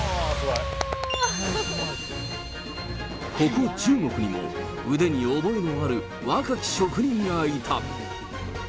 ここ中国にも、腕に覚えのある若き職人がいた。